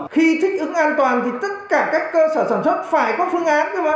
khi thích ứng an toàn thì tất cả các cơ sở sản xuất phải có phương án